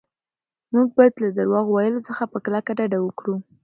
موږ باید له درواغ ویلو څخه په کلکه ډډه وکړو.